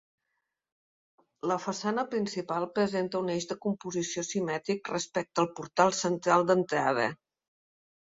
La façana principal presenta un eix de composició simètric respecte al portal central d'entrada.